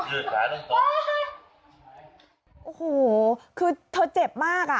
โอ้โฮคือเธอเจ็บมาก